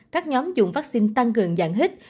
các nhóm dùng vaccine tăng cường dạng hit